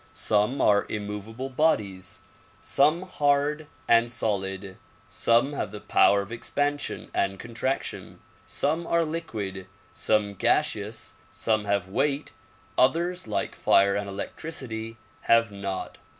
Some are immovable bodies, some hard and solid, some have the power of expansion and contraction, some are liquid, some gaseous, some have weight, others, like fire and elec tricity, have not.